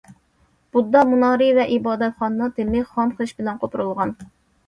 بۇددا مۇنارى ۋە ئىبادەتخانا تېمى خام خىش بىلەن قوپۇرۇلغان.